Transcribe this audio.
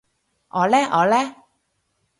我呢我呢？